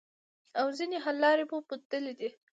او ځینې حل لارې مو موندلي دي